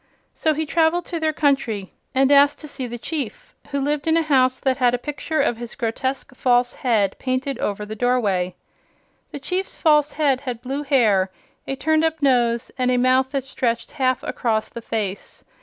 So he traveled to their country and asked to see the Chief, who lived in a house that had a picture of his grotesque false head painted over the doorway. The Chief's false head had blue hair, a turned up nose, and a mouth that stretched half across the face.